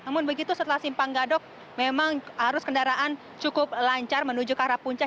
namun begitu setelah simpang gadok memang arus kendaraan cukup lancar menuju ke arah puncak